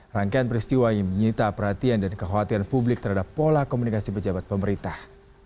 rangkaian peristiwa ini menyita perhatian dan kekhawatiran publik terhadap pola komunikasi pejabat pemerintah